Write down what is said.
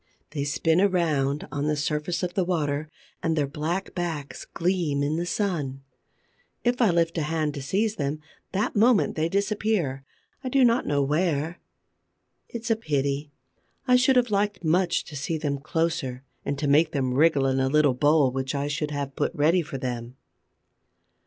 They spin around on the surface of the water and their black backs gleam in the sun. If I lift a hand to seize them, that moment they disappear, I do not know where. It's a pity; I should have liked much to see them closer and to make them wriggle in a little bowl which I should have put ready for them.